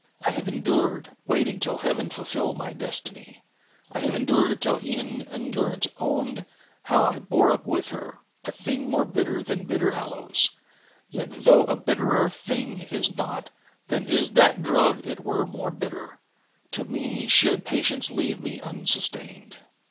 —I have endured Waiting till Heaven fulfil my destiny.— I have endured till e'en endurance owned How I bore up with her; (a thing more bitter Than bitter aloes) yet though a bitterer thing Is not, than is that drug it were more bitter To me should Patience leave me unsustained."